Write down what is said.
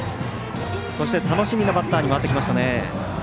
楽しみなバッターに回ってきましたね。